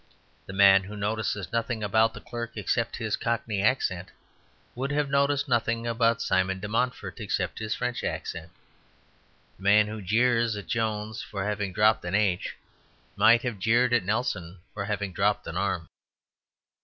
The man who notices nothing about the clerk except his Cockney accent would have noticed nothing about Simon de Montfort except his French accent. The man who jeers at Jones for having dropped an "h" might have jeered at Nelson for having dropped an arm.